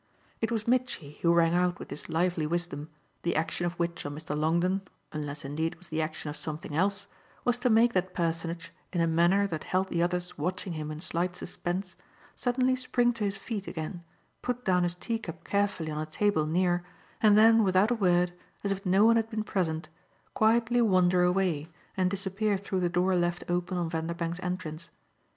It was Mitchy who rang out with this lively wisdom, the action of which on Mr. Longdon unless indeed it was the action of something else was to make that personage, in a manner that held the others watching him in slight suspense, suddenly spring to his feet again, put down his teacup carefully on a table near and then without a word, as if no one had been present, quietly wander away and disappear through the door left open on Vanderbank's entrance.